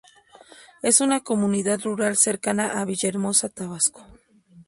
Es una comunidad rural cercana a Villahermosa, Tabasco.